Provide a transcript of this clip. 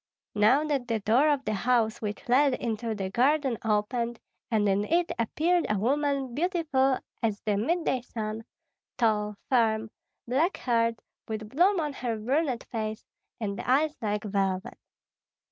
Now that door of the house which led into the garden opened, and in it appeared a woman beautiful as the midday sun, tall, firm, black haired, with bloom on her brunette face, and eyes like velvet.